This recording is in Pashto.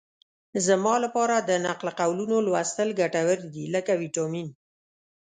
زما لپاره د نقل قولونو لوستل ګټور دي لکه ویټامین.